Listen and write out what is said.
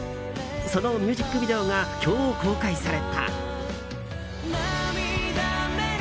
そのミュージックビデオが今日、公開された。